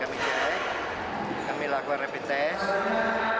kami cek kami lakukan rapid test